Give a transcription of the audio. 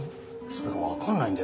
それが分かんないんだよ。